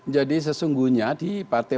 jadi sesungguhnya di partai